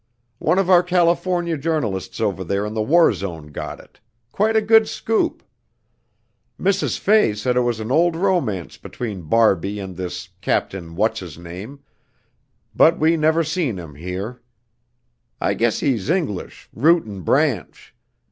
One of our California journalists over there in the war zone got it quite a good scoop. Mrs. Fay said it was an old romance between Barbie and this Captain What's his name. But we never seen him here. I guess he's English, root and branch.